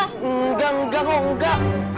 nggak nggak enggak enggak